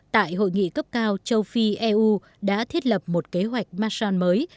tại hội nghị cấp cao châu phi eu đã thiết lập một kế hoạch masson mới